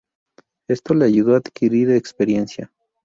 Esto le ayudó a adquirir experiencia.